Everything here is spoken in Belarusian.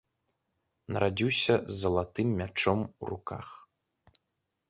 Нарадзіўся з залатым мячом у руках.